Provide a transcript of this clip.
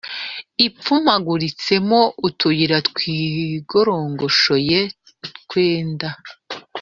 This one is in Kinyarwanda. ipfumaguritsemo utuyira twikorogoshoye twenda